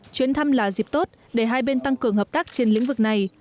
chuyến thăm là dịp tốt để hai bên tăng cường hợp tác trên lĩnh vực này